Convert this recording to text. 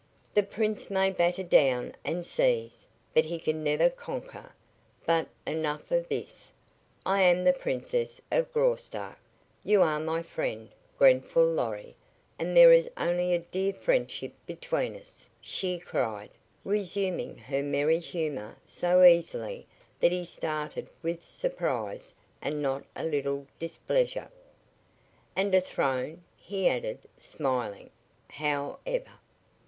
"The prince may batter down and seize, but he can never conquer. But enough of this! I am the Princess of Graustark; you are my friend, Grenfall Lorry, and there is only a dear friendship between us," she cried, resuming her merry humor so easily that he started with surprise and not a little displeasure. "And a throne," he added, smiling, how ever.